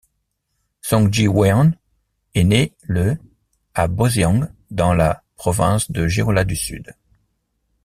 Song Gi-weon est né le à Boseong dans la province de Jeolla du Sud.